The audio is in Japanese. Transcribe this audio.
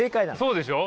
そうでしょ？